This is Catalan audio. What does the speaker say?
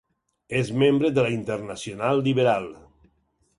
És membre de la Internacional Liberal.